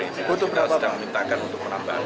untuk berapa kita sedang minta untuk